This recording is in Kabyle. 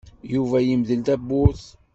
Yuba yemdel tawwurt.